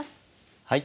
はい。